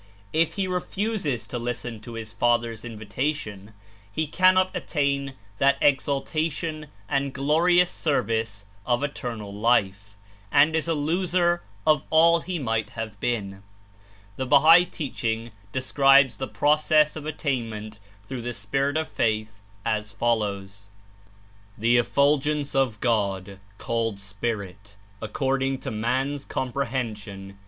If he refuses to listen to his Father's Invitation, he cannot attain that exalta tion and glorious service of "Eternal Life," and Is a loser of all he might have been. The Bahal teaching describes the process of attainment through the "Spirit of Faith," as follows: "The effulgence of God, called 'Spirit,' according to man's comprehension.